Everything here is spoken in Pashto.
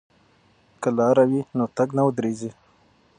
که لاره وي نو تګ نه ودریږي.